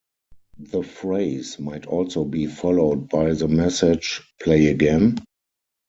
The phrase might also be followed by the message Play Again?